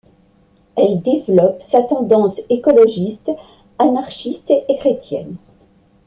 Elle développe sa tendance écologiste, anarchiste et chrétienne.